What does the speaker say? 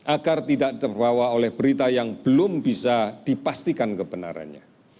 agar tidak terbawa oleh berita yang belum bisa dipastikan kebenarannya